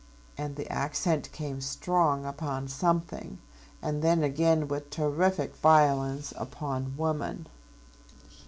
And the accent came strong upon "something," and then again with terrific violence upon "woman."